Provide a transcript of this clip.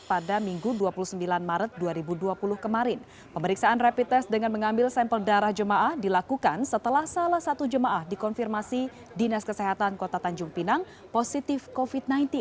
pada minggu dua puluh sembilan maret dua ribu dua puluh kemarin pemeriksaan rapid test dengan mengambil sampel darah jemaah dilakukan setelah salah satu jemaah dikonfirmasi dinas kesehatan kota tanjung pinang positif covid sembilan belas